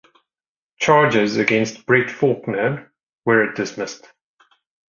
Charges against Bert Faulkner were dismissed.